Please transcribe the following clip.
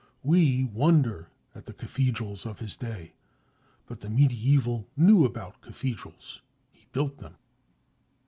We wonder at the cathedrals of his day, but the medieval knew about cathedrals; he built them.